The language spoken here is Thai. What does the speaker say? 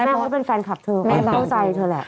มันก็เป็นแฟนคลับเธอแม่เข้าใจเธอแหละ